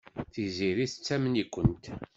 Tiziri tettamen-ikent.